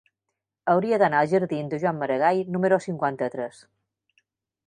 Hauria d'anar als jardins de Joan Maragall número cinquanta-tres.